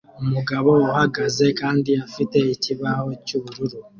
Umugabo uhagaze kandi afite ikibaho cyubururu